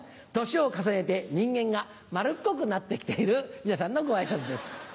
年を重ねて人間がマルッコくなって来ている皆さんのご挨拶です。